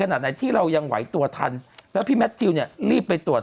ขนาดไหนที่เรายังไหวตัวทันแล้วพี่แมททิวเนี่ยรีบไปตรวจ